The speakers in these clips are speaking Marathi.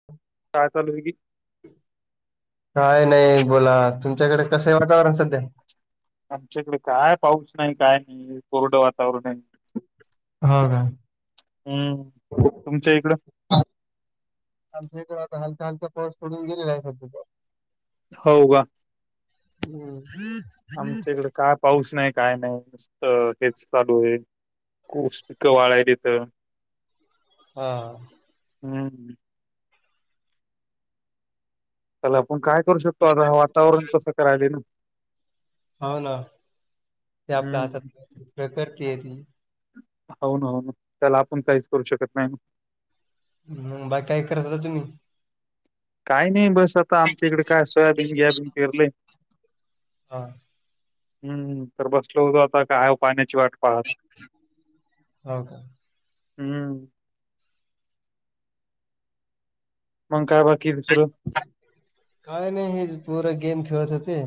[unintelligible] काय चालू आहे की. काय नाही बोला तुमच्याकडे कसं वातावरण सध्या. आमच्याकडे काय पाऊस नाही. काय नाही कोरडं वातावरण आहे. हो का? हम्म तुमच्या इकडं. आमच्या इकड आता हलका हलका पाऊस पडून गेलेला आहे सध्याचा. हो का. हम् हम्. आमच्या इकडे काय पाऊस नाही. काय नाही नुसत हेच चालू आहे. ऊस पिक वाळायलेथ. हा. [unintelligible] तेला आपण काय करू शकतो आता वातावरण तसं करायले ना. हो ना ते आपल्या हातात हम्म प्र करती आहे ती. हो ना हो ना त्याला आपण काहीच करू शकत नाही. हम बाकी काय करत असता तुम्ही? काही नाही बस आता आमच्या इकडे काय सोयाबीन घियाबीन पेरलंय. हा हम्म तर बसल होत आता काय पाहण्याची वाट. पाहत हो का? हम्म. मग काय बाकी दुसरं? काय नाही हे पूर गेम खेळत होते,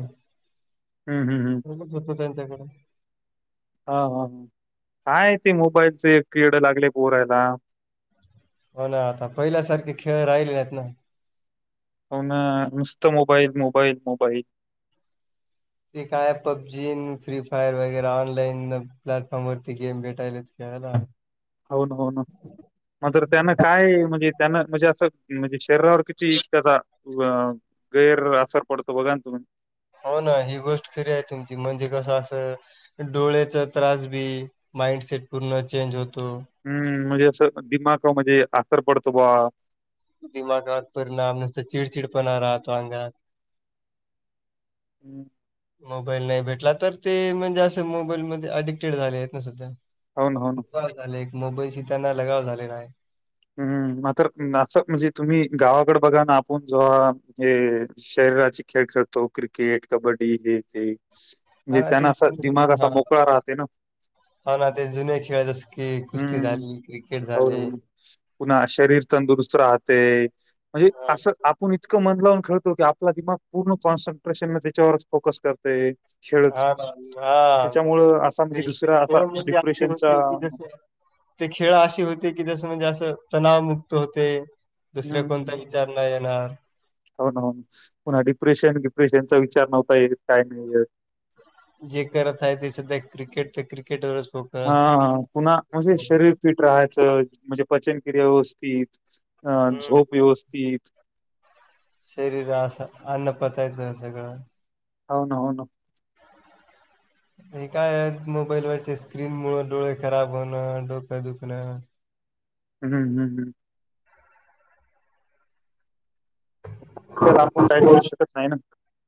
हम् हम हम. बघत होतो त्यांच्याकडे. हा हा ह काय ते मोबाईलचे कड लागले पोरायला. हो ना आता पहिल्यासारखे खेळ राहिले नाहीत ना. हो ना नुसत मोबाईल मोबाईल मोबाईल. ते काय पबजी अन् फ्री फायर वगैरे ऑनलाईन प्लॅटफॉर्म वरती गेम भेटायलेत. केला. होन होना. मातर त्याना काय म्हणजे त्याना म्हणजे असं म्हणजे शरीरावर किती त्याचा गैर आसर पडतो बघा ना तुम्ही. हो ना ही गोष्ट खरी आहे तुमची म्हणजे कसं असं. डोळ्याचा त्रास बी माइंडसेट पूर्ण चेंज होतो. हम्म म्हणजे असं दिमाग म्हणजे आसर पडतो बा दिमागात पूर्ण नसत चिडचिडपणा राहतो अंगात. हम. मोबाईल नाही भेटला तर ते म्हणजे असं मोबाईलमध्ये अडिक्टेड झाले आहेत ना सध्या. हो ना हो ना [unintelligible] झालाय एक मोबाईलशी त्यांना लगाव झालेला आहे. हम्म मात्र असं म्हणजे तुम्ही गावाकड बघा ना आपण जोव्हा हे. शरीराचे खेळ खेळतो क्रिकेट कबड्डी हे ते. हा म्हणजे ना ते त्यांना असा जुने दिमाग असा मोकळा राहते ना. हो ना ते जुने खेळ जस की कुस्ती हम्म झाली क्रिकेट हो ना झाले. हो ना पुन्हा शरीर तंदुरुस्त राहते. म्हणजे हा असं आपण इतकं मन लावून खेळतो की आपला दिमाग पूर्ण कॉन्सन्ट्रेशन न त्याच्यावर च फोकस करत ते. खेळच हा ना, हा त्याच्यामुळं असा ते म्हणजे दुसऱ्या आता खेळ म्हणजे असे डिप्रेशनचा. होते की जसे ते खेळ अशी होते की जसं म्हणजे असं तणावमुक्त होते दुसऱ्या हम्म कोणताही. ज्यांना येणार. हो ना हो ना पुन्हा डिप्रेशन डिप्रेशनचा विचार नव्हता येत काय नाही येत. जे करतय ते सध्या क्रिकेट तर क्रिकेट वरच फोकस हा हा पुन्हा म्हणजे शरीर फिट राहायचं म्हणजे पचन क्रिया व्यवस्थित. ह हम्म. झोप योवस्ती. शरीरा असं अन्न पचायचं सगळं. होन होन. हे काय मोबाईलवरचे स्क्रीन मुळं डोळे खराब होणं डोकं दुखणं. हम् हम हम हम. त्याला आपण काय करू शकत नाही ना.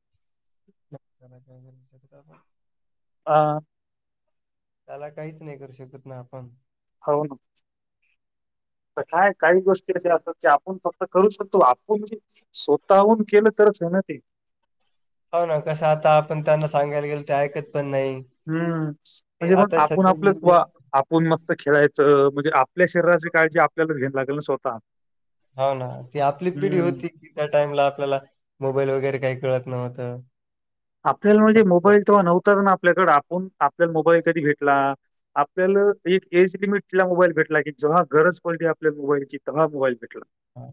[unintelligible] आ - त्याला काहीच नाही करू शकत ना आपण. होवना. तर काय काही गोष्टी अशे असतात की आपण फक्त करू शकतो आपूण म्हंजे स्वतःहून केलं तरच आहे ना ते. हो ना कसं आता आपण त्यांना सांगायला गेल ते ऐकत पण नाही. हम्म ते म्हणजे पण आता आपण सध्या जी आपलंच जे- वा आपण मस्त खेळायचं म्हणजे आपल्या शरीराची काळजी आपल्याला घेन लागलच ना स्वतः. हो ना ती आपली पिढी हं. होती की त्या टाइमला आपल्याला मोबाईल वगैरे काही कळत नव्हतं. आपल्याला म्हणजे हां. मोबाईल तेव्हा नव्हताच ना आपल्याकडे आपण आपल्याला मोबाईल कधी घेतला? आपल्याला एक एज लिमिटला मोबाईल भेटला की जव्हा गरज पडली आपल्या मोबाईलची तेव्हा मोबाईल भेटला. ह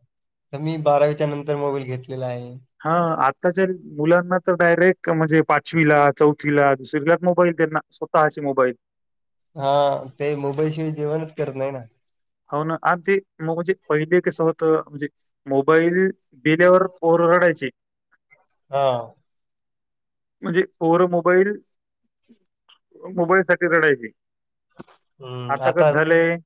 तर मी बारावीच्या नंतर मोबाईल घेतलेला आहे. हा आताच्या मुलांना तर डायरेक्ट म्हणजे पाचवीला चौथीला दुसरीलाच मोबाईल त्यांना. स्वतःची मोबाईल. हा ते मोबाईल शिवाय जेवणच करत नाही ना. हो ना आगदी मग म्हणजे पहिले कस होत म्हणजे मोबाईल दिल्यावर पोर रडायचे. हा. म्हणजे पोरं मोबाईल मोबाईल साठी रडायची. आता कस झालय.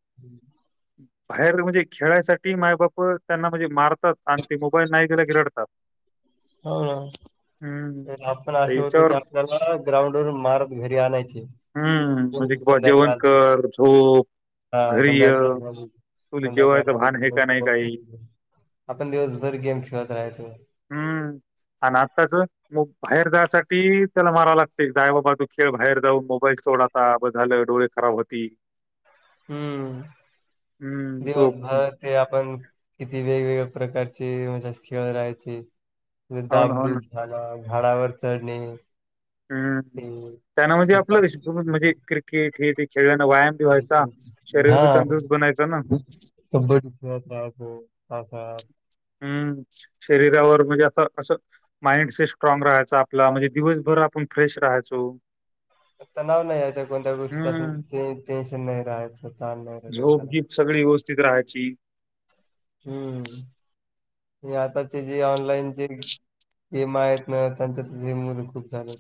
बाहेर म्हणजे खेळायसाठी मायबाप त्यांना म्हणजे मारतात आणि ते मोबाईल नाही दिला कि रडतात. हम्म. हो. आपण तर असं होतो की याच्यावर आपल्याला ग्राउंड वरून मारत घरी आणायचे. हम्म म्हणजे की बा जेवणकर झोप हा घरी ये. संध्याकाळ तुला जेवायचं संध्याकाळ भान आहे का नाही काही. [unintelligible] आपण दिवसभर गेम खेळत राहायचो. हम्म आण आत्ताच बाहेर जायसाठी त्याला मारावि लागतें जाय बाबा तू खेळ बाहेर जाऊन मोबाईल सोड आता बस झालं डोळे खराब होतील. हम्म हम्म, तो दिवसभर ते आपण किती वेगवेगळ्या प्रकारचे म्हणजे खेळ राहायचे. हो ना, हो दाबडुब ना. झाला झाडावर चढणे. हम्म ते त्यांना म्हणजे आपलं सीताफळ म्हणजे क्रिकेट हे ते खेळल्यान व्यायाम व्हायचा शरीर बी तंदुरस्त बनायच ना. कब्बड्डी खेळत राहायचो पावसाळ्यात. हम्म शरीरावर म्हणजे असं असं- माइंड स्ट्रॉग राहायचं आपला म्हणजे दिवसभर आपण फ्रेश राहायचो. तणाव नाही यायचच्या कोणत्या गोष्टीचं अस हम्म. ते टेन्शन नाही राहायचं ताण नाही राहिला त्याला. झोप-गीप सगळी व्यवस्थित राहायची. हम्म हे आताचे जे ऑनलाईन जे गेम आहेत ना त्यांच्यात हेम खूप झालं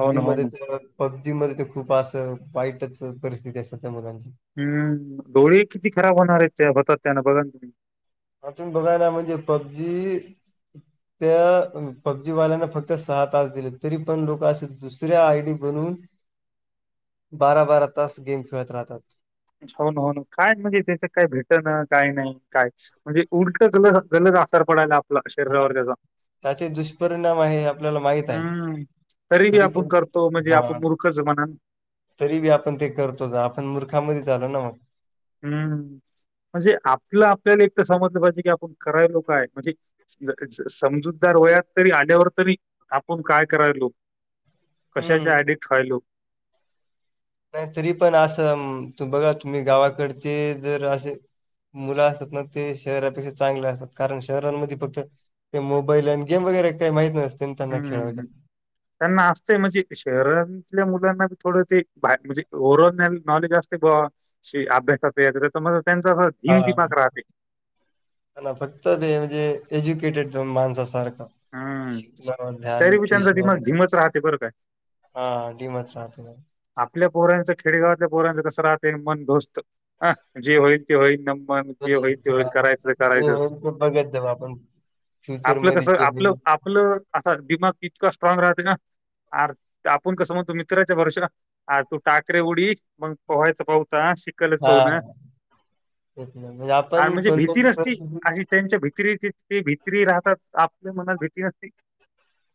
हो ना, हो मध्ये ना. तर पब्जी मध्ये तर खूप असं वाईटच परिस्थिती असतात त्या मुलांची हम्म डोळे किती खराब होणार आहेत त्यातात त्यान बघा तुम्ही अजून बघाना म्हणजे पबजी त्या पबजीवाल्यांना फक्त सहा तास दिले तरी पण लोक असे. दुसऱ्या आयडी बनून बारा बारा तास गेम खेळत राहतात. हो ना हो ना काय म्हणजे त्याच काय भेटण काय नाही काय म्हणजे उलट ग गलत आसार पडायला. आपला हा शरीरावर त्याचा. त्याचे दुष्परिणाम आहे. आपल्याला माहीत आहे. हम्म तरी बी आपण करतो म्हणजे हां, आपण मूर्ख च आहे म्हणा. तरी बी आपण ते करतो आपण मुूर्खामध्ये झालो ना मग हम्म म्हणजे आपलं आपल्याला एक तर समजलं पाहिजे की आपण करायलो काय म्हणजे समजूतदार वयात तरी आल्यावर तरी आपण काय करायलो. कशाच्या हं. आयडीत राहिलो. नाही तरी पण असं बघा तुम्ही गावाकडचे जर असे मुलं असतात ना ते शहरापेक्षा चांगले असतात कारण शहरांमध्ये फक्त ते मोबाईल आणि गेम वगैरे काही माहीत नसते. त्यांना हम्म खेळ हम्म हम् वगैरे. त्यांना असतंय म्हणजे शहर मुलांना थोड म्हणजे ओ नॉलेज असते. श अभ्यासाच एकदा तर मग त्यांचा धिम हा. दिमाग राहते. फक्त ते म्हणजे एज्युकेटेड माणसासारखं हम्म शिकण्यावर ध्यान, तरी बी त्यांचा दिमाग धिमत राहते बरं काय. हा डीमच राहते ना. आपल्या पोर्यांचं खेडेगावातल्या पोर्यांचं कसं राहते मन घोस्त ह जे होईल. ते होईल म जे होईल ते होईल करायचं करायचंच. बघत जाऊ आपण. फ्युचर आपलं मध्ये कसं, जे आपलं होईल. आप पलं असा दिमाग इतका स्ट्रॉंग राहत ना, आर आपण कसं म्हणतो मित्राच्या भरोशा हा, तू टाकरे उडी, मग पोहा्यचं पाहुत शी क्ल हा पाहु ना तेच ना. म्हणजे आणि आपण म्हणजे कोणत्या भीती नसती परिस्थितीत अशी. त्यांच्या भिती राहते, तिथे भितरी राहतात आपल्या मनात भीती नसते.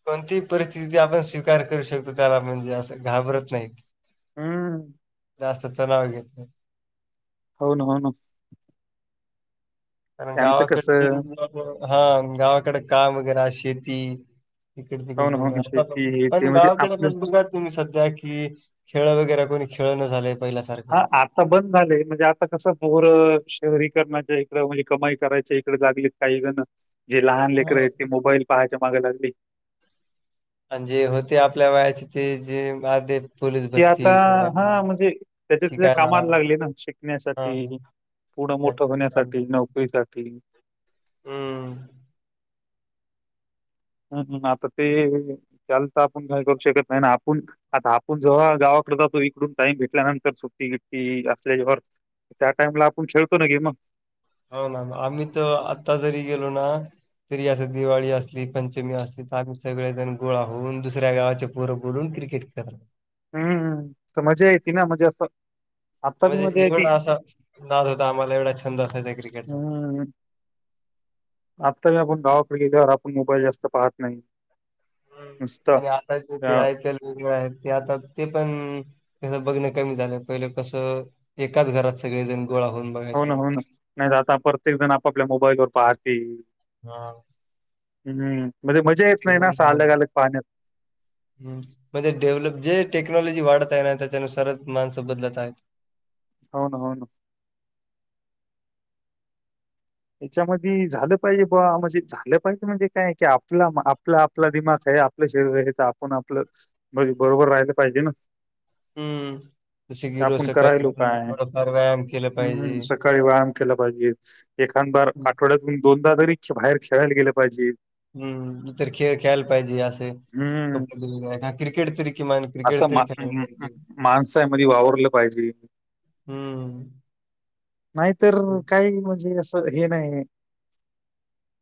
कोणती परिस्थिती आपण स्वीकार करू शकतो, त्याला म्हणजे असं घाबरत नाहीत. हम्. जास्त चलाव घेत नही. होन होन. कारण त्यांचं गावाकडचे कसं मग, हा गावाकडे काम वगैरे शेती ईकड हो तिकड ना, हो बघन ना. आता शेती हे [unintelligible] पण ते ण म्हणजे गावाकड आपलं पण बघ तुम्ही सध्या की, खेळ वगैरे कोणी खेळ न झालय. हा आप आता बंद झाले, म्हणजे आता कसं पोहरं शहरी करणाच्या इकड, म्हणजे कमाई करायच्या इकडे लागली काही जण. जे लहान लेकर हो. आहेत, ते मोबाईल पहायच्या मागे लागले. आणि जे होते आपल्या वयाचे, ते जे आदे ते आता हां, म्हणजे त्याच्या-त्याच्या शिकायला कामाला लागली ना हा शिकण्यासाठी. पुढ मोठं जास्त काम होण्यासाठी, नाही. नोकरीसाठी. हम्म. ह आता ते चालत आपण काय करू शकत नाही आणि आपण आता आपण जेव्हा गावाकडडे जातो, इकडून टाइम भेटल्यानंतर सुट्टी गिट्टी असल्या वर. त्या टाइम ला आपण खेळतो ना की मग. हो ना आम्ही त आत्ता जरी गेलो ना तरी असं दिवाळी असली, पंचमी असली तर आम्ही सगळेजण गोळा होऊन दुसऱ्या गावाचे पोरं बोलून क्रिकेट खेळत राह हम्मम्, मजा येती ना, म्हजे असं आता बी म्हणजे मजा येती. एवढा असा नाद होता, आम्हाला एवढा छंद असायचा क्रिकेटचा. हम्. आत्ता आपण गावकड गेल्यावर, आपण मोबाईल जास्त पाहत नाही. नुसतं अ वेगळ आहे, ते आता ते पण तस बघण कमी झालं, पहिले कसं एकाच घरात सगळेजण गोळा होऊन हो बघायचो. ना, हो ना, नईतर आता प्रत्येक जण आपापल्या मोबाईलवरर पाहतील. हा. ह्म. ह [unintelligible] ह म्हणजे डेव्हलप, जे टेक्नॉलॉजी वाढत आहे ना, त्याच्यानुसारच माणसं बदलत आहेत. होन -होन. याच्यामदि झालं पाहिजे बा मजी झालं पाहिजे म्हणजे काय की, आपला आप आपला दिमाग आहे, आपलं शरीर आहे, आपण आपलं म्हणजे बरोबर राहिला पाहिजे ना? हम्म, [unintelligible] की गिरोस आपण काही करायलो काय? थोड व्यायाम केला हं, पाहिजे. सकाळी व्यायाम केला पाहिजे, एखादंबार आठवड्यात दोनदा तरी बाहेर खेळायला गेले पाहिजे. हम्म, तर खेळ खेयला पाहिजे, असे हं. खाली क्रिकेट तरी किमान असं क्रिकेट तरी माण खेळायला म म पाहिजे. माणसांमदि वावरलं पाहिजे. हम्म. नाहीतर, काही म्हणजे असं हे नाही.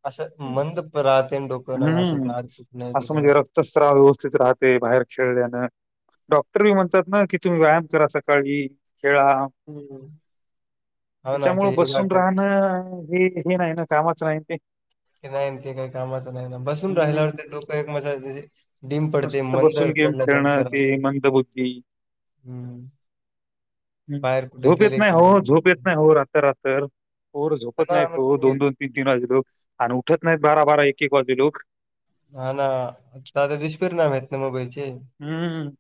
असं मंद राहते डोकं, नाही असं बा कुठ नाही तु तसरा व्यवस्थित राहते बाहेर खेळल्यानं. डॉक्टर बी म्हणतात ना की, तुम्ही व्यायाम करा सकाळी खेळा. हम्म. हो ना त्याच्यामुळ ते योगा बसून करते राहणं हे येणं येणं चामच राहीन ते. की नाही ते काही कामाचं नाही ना बसून हम्म राहिल्यावरती डोकं एक मजा मजे डीम पडते नुसतं बसून मंदर गेम पडलं [unintelligible] खेळणं करा. ते मंद बुद्धी हम्म. बाहेर कुठे झोप येत गेले नाही की हो झोप येत नाही हो रात रात पर हा झोपत ना, नाहीत मग हो ते दोन-दोन तीन तीन वाजे लो आणि उठत नाहीत बारा-बारा एक-एक वाजे लो. हा ना आता ते दुष्परिणाम आहेते ना मोबाईलचे. हम्म.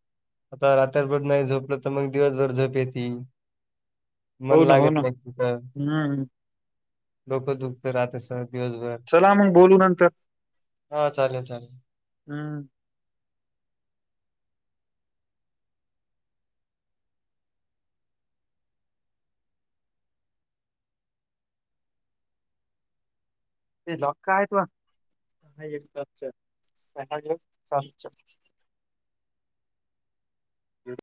आता रात्यारभर नाही झोपलं तर मग दिवसभर झोप येती. मन हो ना हो लागत ना नाही कुठं. हम्म डोकत दुखत राहत असं दिवसभर. चला मग बोलू नंतर. हा चालेल चालेल. हम्म. [unintelligible] हम्म.